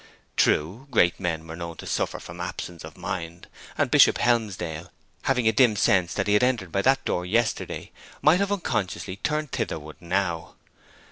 True, great men were known to suffer from absence of mind, and Bishop Helmsdale, having a dim sense that he had entered by that door yesterday, might have unconsciously turned thitherward now.